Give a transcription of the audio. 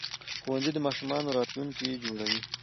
ښوونځي د ماشومانو راتلونکي جوړوي